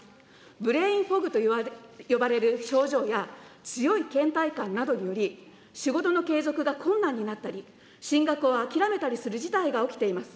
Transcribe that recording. ブレインフォグと呼ばれる症状や強いけん怠感などにより、仕事の継続が困難になったり、進学を諦めたりする事態が起きています。